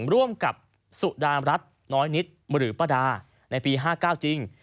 ร่วมกับสุดามรัฐน้อยนิดหรือป้าดาในปี๕๙จริง